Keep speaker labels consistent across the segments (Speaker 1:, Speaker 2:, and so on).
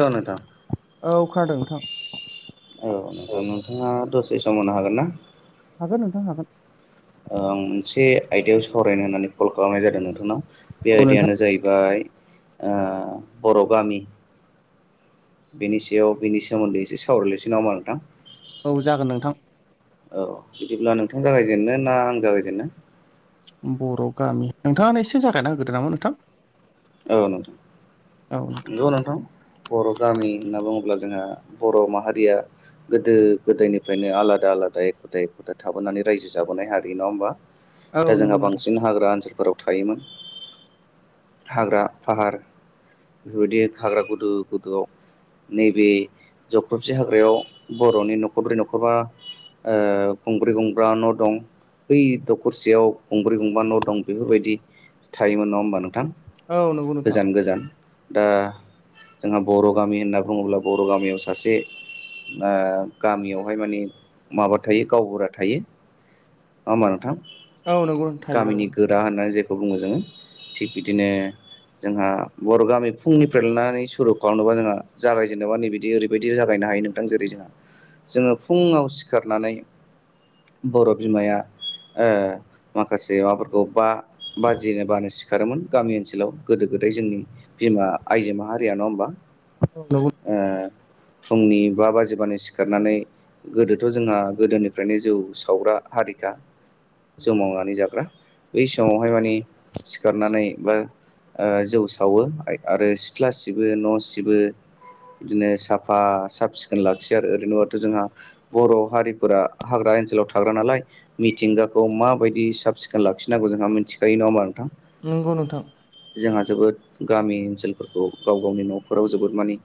Speaker 1: ओं नोंथां
Speaker 2: औ खोनादों नोंथां
Speaker 1: औ नोंथां नोंथाङा दसे समावनो हागोन ना
Speaker 2: हागोन नोंथां हागोन
Speaker 1: ओं मोनसे आयदायाव सावरायनो होननानै कल खालामनाय जादों नोंथांनाव बे
Speaker 2: औ नोंथां
Speaker 1: आयदायानो जाहैबाय ओ बर' गामि बेनि सायाव बेनि सोमोन्दै एसे सावरायलयसै नाङा होनबा नोंथां?
Speaker 2: औ जागोन नोंथां
Speaker 1: औ बिदिब्ला नोंथां जागायजेनो ना आं जागायजेनो?
Speaker 2: बर' गामि नोंथाङा एसे जागायना होग्रोदो नामा नोंथां
Speaker 1: औ नोंथां नोंगौ नोंथां बर' गामि होनना बुङोब्ला जोंहा बर' माहारिया गोदो गोदायनिफ्रायनो आलादा आलादा एखुदा एखुदा थाबोनानै रायजो जाबोनाय हारि नङा होमबा
Speaker 2: औ
Speaker 1: दा
Speaker 2: नंगौ
Speaker 1: जोंहा
Speaker 2: नोंथां
Speaker 1: बांसिन हाग्रा ओनसोलफोराव थायोमोन। हाग्रा फाहार बेफोरबायदि हाग्रा गुदु गुदु आव नैबे जख्रबसे हाग्रायाव बर'नि न'खरब्रै न'खरबा ओ गंब्रै गंब्रा न' दं। बै दखरसेयाव गंब्रै गंबा न' दं बेफोरबायदि थायोमोन नङा होमबा नोंथां?
Speaker 2: औ नंगौ नोंथां
Speaker 1: गोजान गोजान दा जोंहा बर' गामि होनना बुङोब्ला बर' गामियाव सासे ओ गामियावहाय माने माबा थायो गावबुरा थायो नङा होनबा नोंथां
Speaker 2: औ नंगौ थायो औ।
Speaker 1: दा होननानै जेखौ बुङो जोङो थिग बिदिनो जोंहा बर' गामि फुंनिफ्राय लानानै सुरु खालामनोबा जोंहा जागायजेननोबा नैबदि ओरैबायदि जागायनो हायो [unintelligible] जेरै जोंहा जोङो फुङाव सिखारनानै बर' बिमाया ओ माखासे माबाफोरखौ बा बाजिनो बानो सिखारोमोन गामि ओनसोलाव। गोदो गोदाय जोंनि बिमा आइजो माहारिया नङा होमबा?
Speaker 2: औ नंगौ
Speaker 1: ओ फुंनि बा बाजिबानो सिखारनानै गोदोथ' जोंहा गोदोनिफ्रायनो जौ सावग्रा हारिखा जौ मावनानै जाग्रा बै समावहाय माने सिखारनानै बा ओ जौ सावो आरो सिथ्ला सिबो न' सिबो बिदिनो साफा साफ सिखोन लाखियो आरो ओरैनोबथ' जोंहा बर' हारिफोरा हाग्रा ओनसोलाव थाग्रा नालाय। मिथिंगाखौ माबायदि साब सिखोन लाखिनांगौ जोंहा मिथिखायो नङा होमबा नोंथां?
Speaker 2: नंगौ नोंथां।
Speaker 1: जोंहा जोबोद गामि ओनसोलफोरखौ गाव गावनि न'फोराव जोबोद माने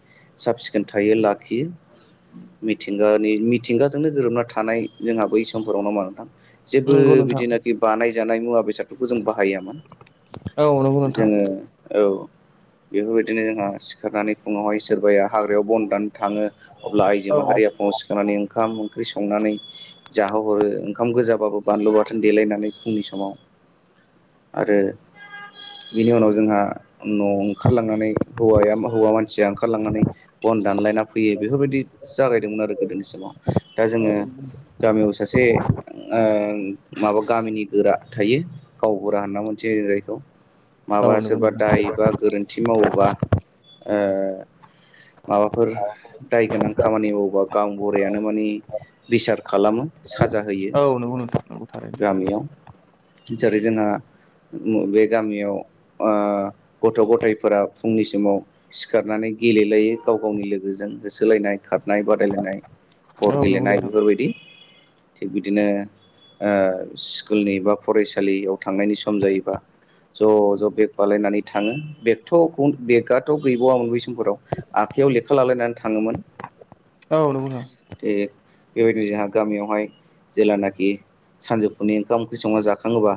Speaker 1: साब सिखोन थायो लाखियो। मिथिंगानि मिथिंगाजोंनो गोरोबना थानाय जोंहा बै समफोराव नंङा होमबा नोंथां? जेबो
Speaker 2: नंगौ नोंथां
Speaker 1: बिदिनाखि बानायजानाय मुवा बेसादफोरखौ जों बाहायामोन।
Speaker 2: औ नंगौ नोंथां
Speaker 1: जोङो औ बेफोरबायदिनो जोंहा सिखारनानै फुङावहाय सोरबाया हाग्रायाव बन्द दानानै थाङो अब्ला आइजो
Speaker 2: औ
Speaker 1: माहारिया फुङाव सिखारांनानै ओंखाम ओंख्रि संनानै जाहोहरो ओंखाम गोजाबाबो बानलु बाथोन देलायनानै फुंनि समाव आरो बिनि उनाव जोंहा न' ओंखारलांनानै हौवाया हौवा मानसिया ओंखारलांनानै बन दानलायना फैयो बेफोरबायदि जागायदोंमोन आरो गोदोनि समाव दा जोङो गामियाव सासे ओ माबा गामिनि गोरा थायो। गावबुरा होनना मोनथिनाय जायो जायखौ माबा
Speaker 2: औ नंगौ
Speaker 1: सोरबा
Speaker 2: नोंथां
Speaker 1: दायोबा गोरोन्थि थि मावोबा माबाफोर दाय गोनां खामानि मावोबा गावबुरायानो मानि बिसार खालामो साजा होयो।
Speaker 2: औ नंगौ नोंथां नंगौ थारैनो सैथो
Speaker 1: गामियाव
Speaker 2: बाथ्रा
Speaker 1: जेरै जोंहा बे गामियाव ओ गथ' गथायफोरा फुंनि समाव सिखारनानै गेलेलायो गाव गावनि लोगोजों होसोलायनाय खारनाय बादायलायनाय गर
Speaker 2: औ नंगौ
Speaker 1: गेलेनाय
Speaker 2: नोंथां
Speaker 1: बेफोरबायदि थिग बिदिनो ओ स्कुलनि बा फरायसालियाव थांनायनि सम जायोबा ज' ज' बेग बालायनानै थाङो बेगथ' बेगथ' गैबावामोन बै समफोराव आखाइयाव लेखा लालायनानै थाङोमोन।
Speaker 2: औ नंगौ नोंथां
Speaker 1: थि बेबायदिनो जोहा गामियावहाय जेलानाखि सानजौफुनि ओंखाम ओंख्रि संनानै जाखाङोबा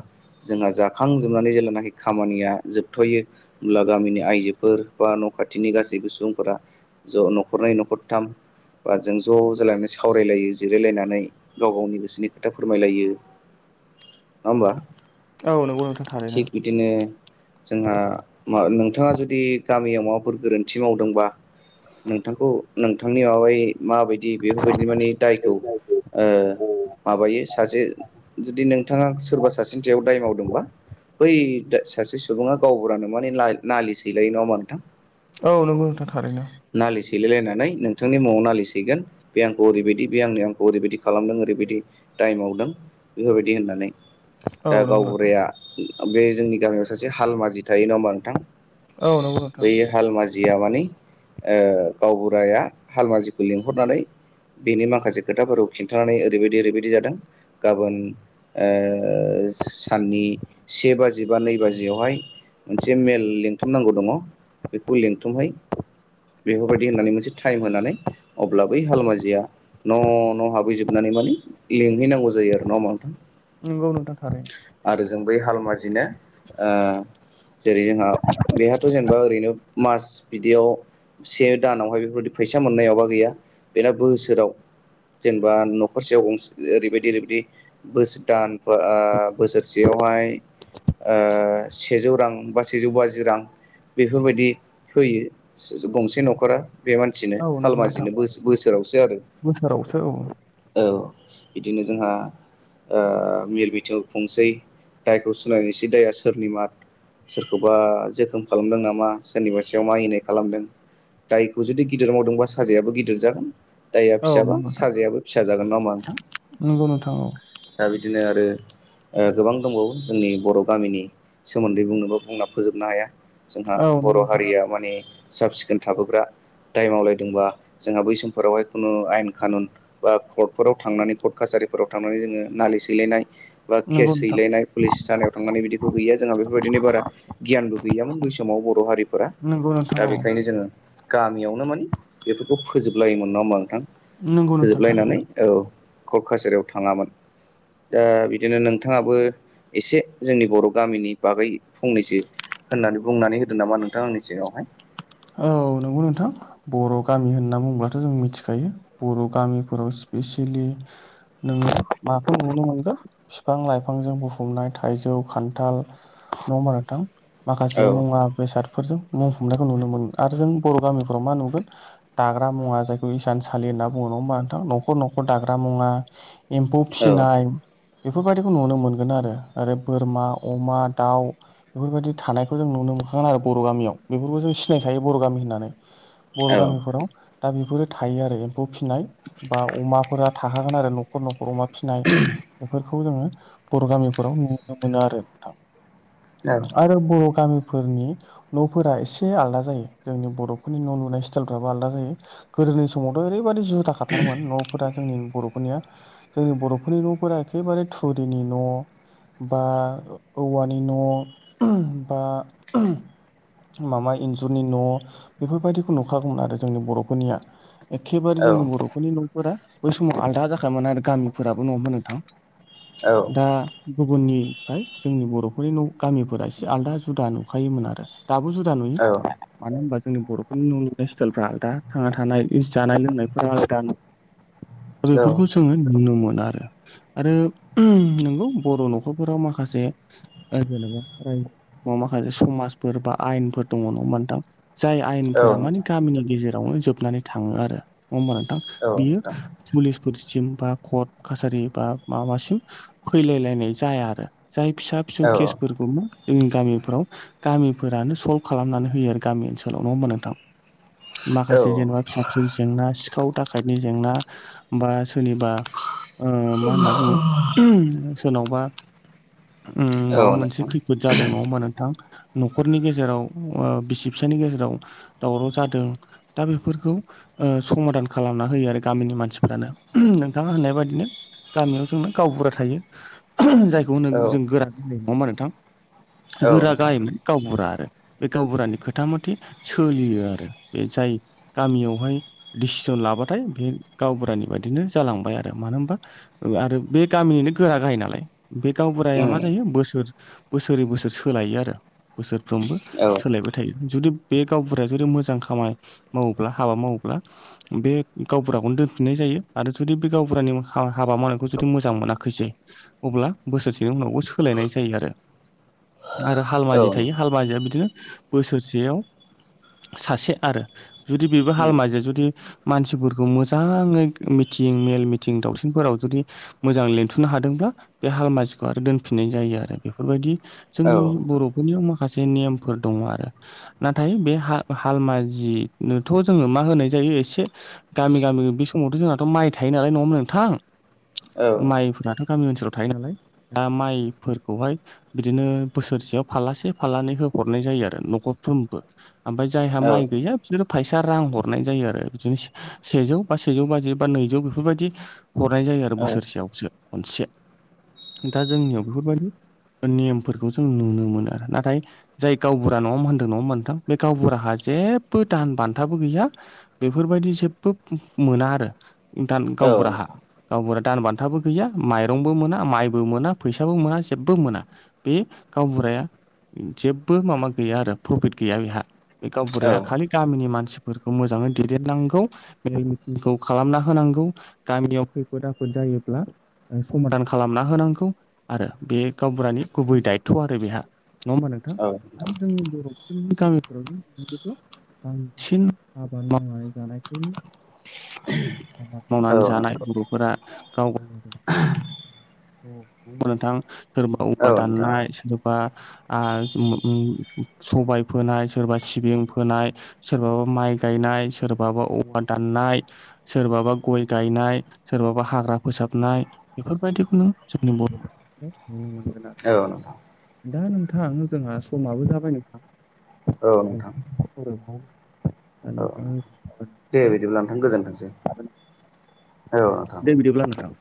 Speaker 1: जोंहा जाखां जोबनानै जेेल्लानाखि खामानिया जोबथ'यो होमब्ला गामिनि आइजोफोर बा न' खाथिनि गासैबो सुबुंफोरा ज' न'खरनै न'खरथाम बा जों ज' जालायनानै सावरायलायो जिरायलायनानै गाव गावनि गोसोनि खोथा फोरमायलायो नङा ओमबा?
Speaker 2: औ नोंगौ नोंथां। थारैनो
Speaker 1: थिग बिदिनो जोंहा नोंथाङा जुदि गामियाव माबाफोर गोरोन्थि मावदोंबा नोंथांखौ नोंथांनि माबायै माबायदि दि बेफोरबायदि माने दायखौ ओ माबायो सासे जुदि नोंथाङा सोरबा सासेनि सायाव दाय मावदोंबा बै सासे सुबुङा गावबुरानो माने ना-नालिस हैलायो नङा ओमबा नोंथां?
Speaker 2: औ नंगौ नोंथां थारैनो।
Speaker 1: नालिस हैलायलायनानै नोंथांनि मुङाव नालिस हैगोन। बे आंखौ ओरैबायदि बे आंनि आंखौ ओरैबायदि खालामदों ओरैबायदि दाइमावदों। बेफोरबायदि होननानै
Speaker 2: औ
Speaker 1: दा
Speaker 2: नंगौ नोंथां
Speaker 1: गावबुराया बे जोंनि गामियाव सासे हालमाजि थायो नङा ओमबा नोंथां?
Speaker 2: औ नंगौ नोंथां।
Speaker 1: बै हालमाजिया माने गावबुराया हालमाजिखौ लिंहरनानै बेनि माखासे खोथाफोराव खिन्थानानै ओरैबायदि ओरैबायदि जादों गाबोन ओ साननि से बाजि बा नै बाजियावहाय मोनसे मेल लिंथुमनांगौ दङ। बेखौ लेंथुमहै बेफोरबायदि होननानै मोनसे टाइम होनानै अब्ला बै हालमाजिया न' न' हाबहैजोबनानै माने लेंहैनांगौ जायो आरो नङा ओमबा नोंथां?
Speaker 2: नंगौ नोंथां थारैनो।
Speaker 1: आरो जों बै हालमाजिनो ओ जेरै जोंहा बेहाथ' जेनेबा ओरैनो मास बिदियाव से दानावहाय बेफोरबदि फैसा मोननायावबा गैया बेर बोसोराव जेनेबा न'खरसेयाव गंसे ओरैबायदि ओरैबायदि बोस दान बा ओ बोसोर सेयावहाय सेजौ रां बा सेजौ बाजि रां बेफोरबायदि होयो गंसे न'खरा बे मानसिनो
Speaker 2: औ नंगौ नोंथां
Speaker 1: हालमाजिनो बोसोरावसो आरो
Speaker 2: बोसोरावसो औ
Speaker 1: औ बिदिनो जोंहा ओ मिल मिथिंयाव खुंसै। दायखौ सिनायनोसै दाया सोरनि मा सोरखौबा जोखोम खालामदों नामा सोरनिबा सायाव मानिनाय खालामदों। दायखौ जुदि गिदिर मावदोंबा साजायाबो गिदिर जागोन। दाय या
Speaker 2: औ
Speaker 1: फिसाबा
Speaker 2: नंगौ नोंथां
Speaker 1: साजायाबो फिसा जागोन नङा ओमबा नोंथां?
Speaker 2: नंगौ नोंथां औ
Speaker 1: दा बिदिनो आरो गोबां दंबावो जोंनि बर' गामिनि सोमोन्दै बुंनोबा बुंना फोजोबनो हाया। जोंहा
Speaker 2: औ नंगौ
Speaker 1: बर'
Speaker 2: नोंथां
Speaker 1: हारिया माने साब सिखोन थाबोग्रा दाय मावलायदोंबा जोंहा बै समफोरावहाय खुनु आयेन खानुन बा कर्टफोराव थांनानै कर्ट कासारिफोराव थांनानै जोङो नालिस हैलायनाय बा
Speaker 2: नंगौ
Speaker 1: केस
Speaker 2: नोंथां
Speaker 1: दैेलायनाय पुलिस थानायाव थांनानै बिदिखौ गैया जोंहा बेफोरबायदिनो बारा गियानबो गैयामोन बै समाव बर' हारिफोरा
Speaker 2: नंगौ नोंथां
Speaker 1: दा
Speaker 2: औ
Speaker 1: बेखायनो जोङो गामियावनो माने बेफोरखौ फोजोबलायोमोन नङा ओमबा नोंथां
Speaker 2: नंगौ नोंथां थारैनो
Speaker 1: फोजोबलायनानै औ कक काजारायाव थाङामोन ओ बिदिनो नोंथाङाबो एसे जोंनि बर' गामिनि बागै फंनैसो होननानै बुंनानै होदो नामा नोंथां आंनि सिगांङावहाय
Speaker 2: औ नंगौ नोंथां। बर' गामि होनना बुंङोब्लाथ' जों मिथिखायो बर' गामिफोराव स्पेसियेलि नोंङो माखौ नुनो मोनगो फिफां लाइफांजों बुफुमनाय थाइजौ खान्थाल नंङा होनबा नोंथां?
Speaker 1: औ
Speaker 2: माखासे मुवा बेसादफोरजों बुंफुंनायखौ नुनो मोन आरो जों बर' गामिफ्राव मा नुगोन? दाग्रा मुवा जायखौ इसान सलि होनना बुङ नङा ओमबा नोंथां न'खर न'खर दाग्रा मुवा एम्फौ
Speaker 1: औ
Speaker 2: फिसिनाय बेफोरबायदिखौ नुनो मोनगोन आरो ओरै बोरमा अमा दाउ बेफोरबायदि थानायखौ जों नुनो मोनखागोन आरो बर' गामियाव बेफोरखौ जों सिनायखायो बर' गामि होननानै बर'
Speaker 1: औ
Speaker 2: गामिफोराव दा बेफोरो थायो आरो एम्फौ फिसिनाय बा अमाफोरा थाखागोन आरो न'खर न'खर अमा फिनाय बेफोरखौ जोंङो बर' गामिफोराव नुनो मोनो आरो नोंथां। आरो बर' गामिफोरनि न'फोरा एसे आललादा जायो जोंनि बर'फोरनि न' लुनाय स्टाइलफ्राबो आलदा जायो। गोदोनि समावथ' ओरैबायदि जुदाखाथारमोन न'फोरा जोंनि बर'फोरनिया। जोंनि बर'फोरनि न'फोरा एखेबारे थुरिनि न' बा औवानि न' बा माबा इस जुरनि न' बेफोरबायदिखौ नुखागौमोन आरो जोंनि बर'फोरनिया एखेबारे जोंनि बर' जोर नि न'फोरा बै समाव आलदा जाखामोन आरो गामिफोराबो नंङा होनबा नोंथां
Speaker 1: औ
Speaker 2: दा गुबुननिफ्राय जोंनि बर'फोरनि' गामिफोरा एसे आलदा जुदा नुखायोमोन आरो। दाबु जुदा नुयो। मानो होनबा जोंनि बर'फोरनि न' लुनाय स्टाइलफ्रा आलदा थांना थानाय जानाय लोंनायफ्रा आलादा। दा
Speaker 1: औ
Speaker 2: बेफोरखौ जोंङो नुनो मोनो आरो। आरो नंगौ बर' न'खरफोराव माखासे ओ जेनेबा माखासे समाजफोर बा आयेनफोर दंङ नंङ थां जाय आयेनफोरा मानि
Speaker 1: नोंथां
Speaker 2: गामिनि गेजेरावनो जोबनानै थांङो आरो नंङा होमबा नोंथां?
Speaker 1: औ
Speaker 2: बियो
Speaker 1: नोंथां
Speaker 2: पुलिसफोरसिम बा कर्ट कासारि बा माबासिम फैलायलायनाय जाया आरो जाय फिसा फिसौ
Speaker 1: औ
Speaker 2: केसफोरखौ मा जोंनि गामिफ्राव गामिफोरानो सल्भ खालामनानै होयो आरो गामि ओनसोलाव नंङा हबा नोंथां?
Speaker 1: औ
Speaker 2: माखासे जेनेबा फिसा फिसौ जेंना सिखाव थाखायायनि जेंना बा सोरनिबा ओ मा होनना बुंङो सोरनावबा उम माबा मोनसे
Speaker 1: नोंथां
Speaker 2: खैफोद जादों नंङा होमबा नोंथां न'खरनि गेजेराव ओ बिसि फिसानि गेजेराव दावराव जादों दा बेफोरखौ समादान खालामना होयो आरो गामिनि मानसिफ्रानो नोंथांङा होननाय बायदिनो गामियाव जोंना गावबुरा थायो। जायखौ होन
Speaker 1: औ
Speaker 2: जों गोरा गाहाय नंङा होमा नोंथां?
Speaker 1: औ
Speaker 2: गोरा
Speaker 1: नोंथां
Speaker 2: गाहायमोन। गावबुरा आरो बे गावबुरानि खोथा मथे सोलियो आरो बे जाय गामियावहाय दिडसिसन लाबाथाय बे गावबुरानि बायदिनो जालांबाय आरो मानो होनबा ओ आरो बे गामिनिनो गोरा गाय नालाय बे गावबुराया मा
Speaker 1: उम
Speaker 2: जायो बोसोर बोसोरै बोसोर सोलायो आरो। बोसोरफ्रोमबो
Speaker 1: औ
Speaker 2: सोलायबाय थायो जुदि बे गावफोरा जुदि मोजां खामाय मावोब्ला हाबा मावोब्ला बे गावबुराखौनो दोनफिननाय जायो आरो जुदि बे गावबुरानि हा-हाबा मावनायखौ जुदि मोजां मोनाखैसै अब्ला बोसोरसेनि उनावबो सोलायनाय जायो आरो। आरो
Speaker 1: औ
Speaker 2: हालमाजि
Speaker 1: उम
Speaker 2: थायो हालमाजिया बिदिनो बोसोरसेयाव सासे आरो जुदि बेबो हालमाजिया जुदि मानसिफोरखौ मोजांङै मिथिं मेल मिथिं दावथिंनफोराव जुदि मोजां लिन्थ'नो हादोंब्ला बे हालमाजिखौ आरो दोनफिननाय जायो आरो बेफोरबायदि
Speaker 1: औ
Speaker 2: जोंनि बर'फोरनियाव माखासे नेमफोर दङ आरो नाथाय बे हा- हालमाजिनोथ' जोङो मा होनाय जायो एसे गामि गामि बे समावथ' जोंनाथ' माइ थायो नालाय नङाहोमबा नोंथां!
Speaker 1: औ नोंथां
Speaker 2: माइफोराथ' गामि ओनसोलाव थायो नालाय। दा माइफोरखौहाय बिदिनो बोसोरसेयाव फालासे फाल्लानै होफर नाय जायो आरो न'खरफ्रोमबो ओमफाय जायहा
Speaker 1: औ
Speaker 2: माइ गैया बिसोरो फैसा रां हरनाय जायो आरो बिदिनो सेजौ बा सेजौ बाजि बा नैजौ बेफोरबायदि हरनाय जायो आरो
Speaker 1: नोंथां
Speaker 2: बोसोरसेयावसो मोननसे दा जोंनियाव बेफोरबायदि नेमफोरखौ जों नुनो मोनो आरो नाथाय जाय गावबुरा नङा होनदों नङा होनबा नोंथां बे गावबुराहा जेबो दान बान्थाबो गैया बेफोरबायदि जेबो मोना आरो दान
Speaker 1: औ
Speaker 2: गावबुराहा
Speaker 1: नोंथां
Speaker 2: गावबुरा दान बान्थाबो गैया माइरंबो मोना माइबो मोना फैसाबो मोना जेबो मोना बे गावबुराया जेबो माबा गैया आरो प्रफिट गैया बेहा बे गावबुराया
Speaker 1: औ
Speaker 2: खालि गामिनि मानसिफोरखौ मोजाङै दैेदेननांगौ मेल मिथिंखौ खालामना होनांगौ गामियाव खैफोद आफोद जायोब्ला समादान खालामना होनांगौ आरो बे गावबुरानि गुबै दायथ' आरो बेहा नङा होमबा नोंथां आरो जोंनि बर'फोरनि गामिफोरावथ' [inaudible] बांसिन आबाद मावनानै जानायखौ
Speaker 1: [inaudible]
Speaker 2: आबाद मावनानै जानाय बर'फोरा गाव गाव बा नोंथां सोरबा औवा
Speaker 1: नोंथां
Speaker 2: दाननाय सोरबा ओ [inaudible] सबाय फोनाय सोरबा सिबिं फोनाय सोरबाबा माइ गायनाय सोरबाबा औवा दाननाय सोरबाबा गय गायनाय सोरबाबा हाग्रा फोसाबनाय बेफोरबायदिखौनो जोंनि बर'खौ नुनो मोनगोन आरो दा नोंथां जोंहा समाबो जाबाय नोंथां
Speaker 1: औ नोंथां
Speaker 2: [unintelligible] ओमफ्राय
Speaker 1: औ दे
Speaker 2: [inaudible]
Speaker 1: बिदिब्ला नोंथां गोजोनथोंसै औ नोंथां
Speaker 2: दे बिदिब्ला नोंथां